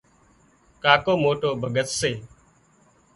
ڪاڪو موٽو ڀڳت سي